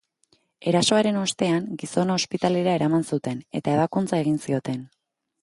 Erasoaren ostean, gizona ospitalera eraman zuten eta ebakuntza egin zioten.